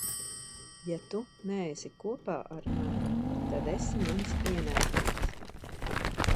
Ja tu neesi kopā ar mani, tad esi mans ienaidnieks.